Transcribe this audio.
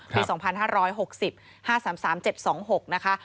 ปี๒๕๖๐๕๓๓๗๒๖นะคะ